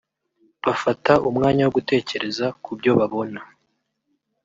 bafata umwanya wo gutekereza ku byo babona